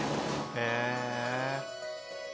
へえ。